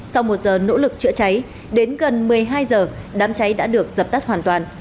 sau một giờ nỗ lực chữa cháy đến gần một mươi hai giờ đám cháy đã được dập tắt hoàn toàn